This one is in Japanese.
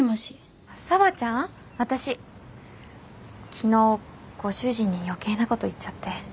昨日ご主人に余計なこと言っちゃって。